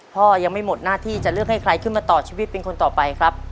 พ่อยังไม่หมดหน้าที่จะเลือกให้ใครขึ้นมาต่อชีวิตเป็นคนต่อไปครับ